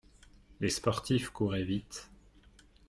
Les sportifs couraient vite.